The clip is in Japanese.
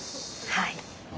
はい。